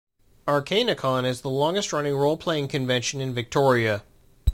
Arcanacon is the longest running role-playing convention in Victoria.